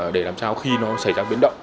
để làm sao khi nó xảy ra biến động